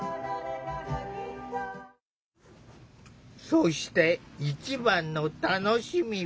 そして一番の楽しみは。